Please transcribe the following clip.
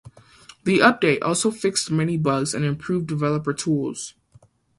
The update also fixed many bugs, and improved developer tools.